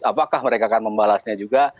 apakah mereka akan membalasnya juga